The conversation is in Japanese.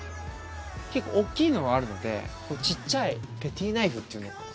結構大っきいのはあるので小っちゃいペティナイフっていうのかな？